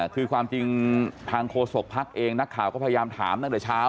คือความจริงทางโฆษกภักดิ์เองนักข่าวก็พยายามถามตั้งแต่เช้า